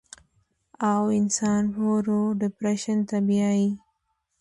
او انسان ورو ورو ډپرېشن ته بيائي